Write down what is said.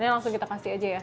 ini langsung kita kasih aja ya